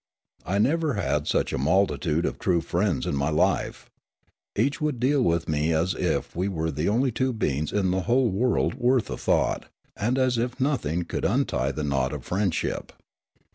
I never had such a multitude of true friends in my life. Each would deal with me as if we were the only two beings in the whole world worth a thought, and as if nothing could untie the knot of friendship.